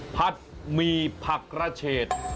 ผัดหมี่ผักกระเฉด